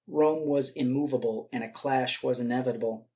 Rome was immovable, and a clash was inevitable.